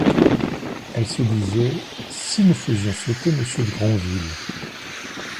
Elle se disait : Si nous faisions sauter monsieur de Grandville !